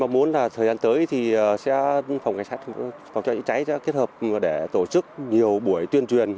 mong muốn thời gian tới phòng trái trịa trái sẽ kết hợp để tổ chức nhiều buổi tuyên truyền